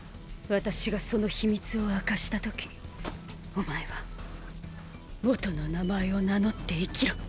私がその秘密を明かした時お前は元の名前を名乗って生きろ。